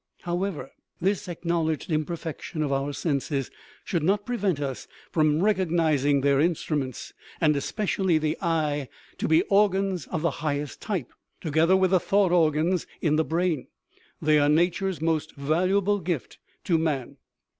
However, this acknowledged imperfection of our senses should not prevent us from recognizing their instruments, and especially the eye, to be organs of the highest type ; together with the thought organs in the brain, they are nature's most valuable gift to man.